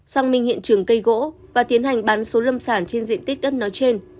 xác minh hiện trường cây gỗ và tiến hành bán số lâm sản trên diện tích đất nói trên